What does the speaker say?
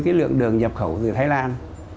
cái lượng đường nhập khẩu từ thái lan